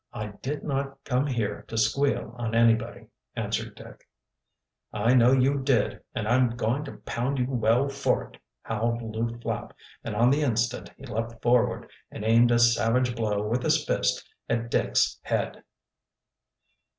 "I did not come here to squeal on anybody," answered Dick. "I know you did and I'm going to pound you well for it!" howled Lew Flapp, and on the instant he leaped forward and aimed a savage blow with his fist at Dick's head.